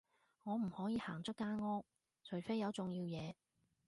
我唔可以行出間屋，除非有重要嘢